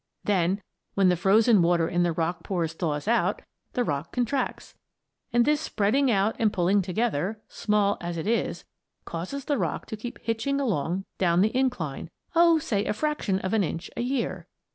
Then when the frozen water in the rock pores thaws out, the rock contracts, and this spreading out and pulling together, small as it is, causes the rock to keep hitching along down the incline; oh, say a fraction of an inch a year.